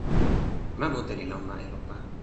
ma mute li lon ma Elopa.